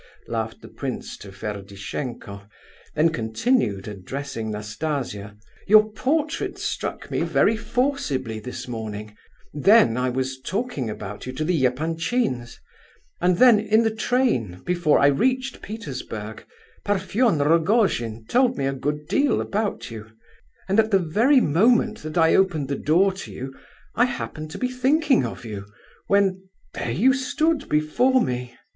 laughed the prince to Ferdishenko; then continued, addressing Nastasia: "Your portrait struck me very forcibly this morning; then I was talking about you to the Epanchins; and then, in the train, before I reached Petersburg, Parfen Rogojin told me a good deal about you; and at the very moment that I opened the door to you I happened to be thinking of you, when—there you stood before me!"